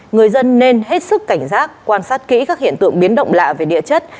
người dân nên hết sức cảnh giác quan sát kỹ các hiện tượng biến động lạ về địa chất